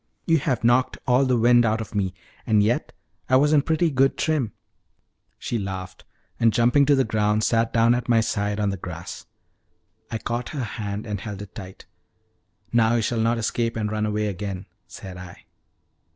You have knocked all the wind out of me; and yet I was in pretty good trim." She laughed, and jumping to the ground, sat down at my side on the grass. I caught her hand and held it tight. "Now you shall not escape and run away again," said I.